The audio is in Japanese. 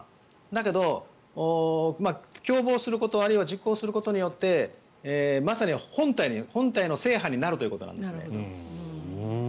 だけど、共謀することあるいは実行することによってまさに本体の正犯になるということなんです。